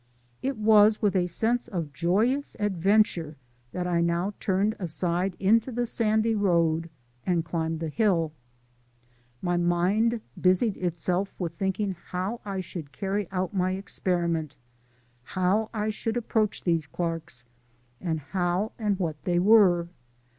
It was with a sense of joyous adventure that I now turned aside into the sandy road and climbed the hill. My mind busied itself with thinking how I should carry out my experiment, how I should approach these Clarks, and how and what they were.